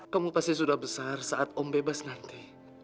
kamu pasti sudah besar saat om bebas nanti